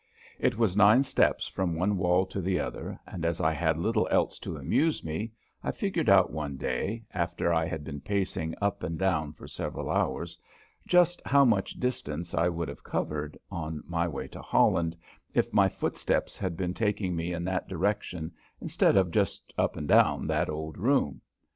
It was nine steps from one wall to the other, and as I had little else to amuse me I figured out one day, after I had been pacing up and down for several hours, just how much distance I would have covered on my way to Holland if my footsteps had been taking me in that direction instead of just up and down that old room.